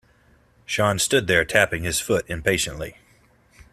Sean stood there tapping his foot impatiently.